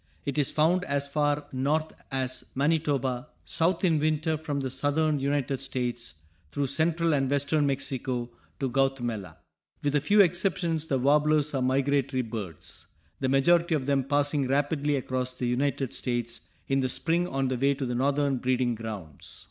It is found as far north as Manitoba; south in winter from the southern United States, through central and western Mexico to Guatemala. With a few exceptions the warblers are migratory birds, the majority of them passing rapidly across the United States in the spring on the way to the northern breeding grounds.